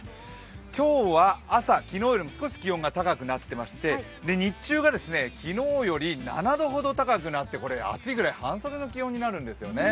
今日は朝、昨日よりも少し気温が高くなっていまして、日中が昨日より７度ほど高くなって暑いくらい半袖の気温になるんですよね。